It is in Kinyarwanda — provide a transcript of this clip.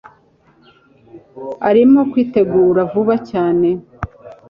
arimo kwitegura vuba cyane